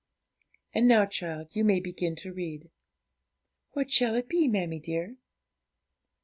'And now, child, you may begin to read.' 'What shall it be, mammie dear?'